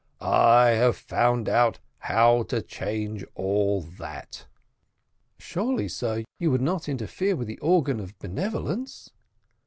I have found out how to change all that." "Surely, sir, you would not interfere with the organ of benevolence?"